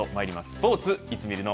スポーツいつ見るの。